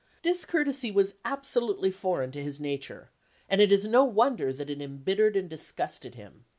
Discourtesy was absolutely foreign to his nature, and it is no wonder that it embittered and disgusted him.